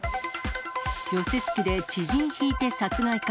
除雪機で知人ひいて殺害か。